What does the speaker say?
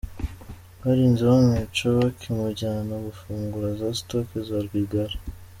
Barinze bamwica bakimujyana gufungura za stocks za Rwigara.